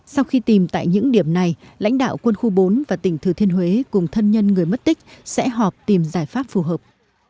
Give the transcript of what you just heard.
sau khi tìm tại những điểm này lãnh đạo quân khu bốn và tỉnh thừa thiên huế cùng thân nhân người mất tích sẽ họp tìm giải pháp phù hợp